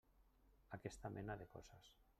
Aquesta mena de coses.